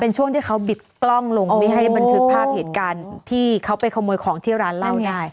เป็นช่วงที่เขาบิดกล้องลงไม่ให้บันทึกภาพเหตุการณ์ที่เขาไปขโมยของที่ร้านเหล้าได้